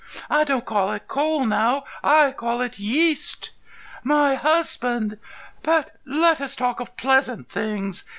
I don't call it coal now—I call it yeast. My husband.... But let us talk of pleasant things.